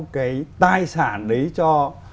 cái tài sản đấy cho